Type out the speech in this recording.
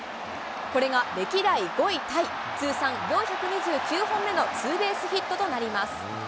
これが歴代５位タイ、通算４２９本目のツーベースヒットとなります。